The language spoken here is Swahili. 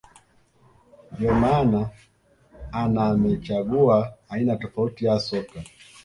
ndiyo maana anamechagua aina tofauti ya soka